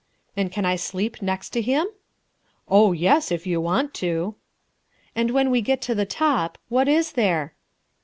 "And can I sleep next to him?" "Oh, yes, if you want to." "And when we get to the top, what is there?"